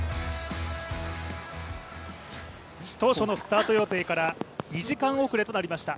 当初のスタート予定から２時間遅れとなりました。